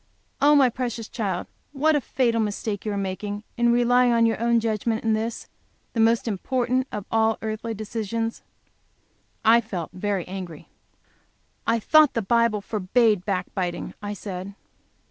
Oh, my precious child, what a fatal mistake you are making in relying on your own judgment in this, the most important of earthly decisions!" I felt very angry. "I thought the Bible forbade back biting," I said.